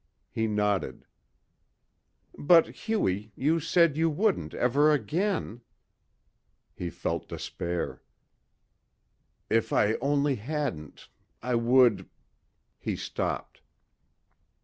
He nodded. "But Hughie, you said you wouldn't ever again...." He felt despair. "If I only hadn't ... I would...." He stopped.